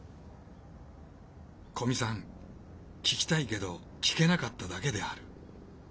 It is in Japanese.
古見さん聞きたいけど聞けなかっただけである。